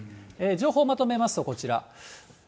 情報をまとめますと、こちら。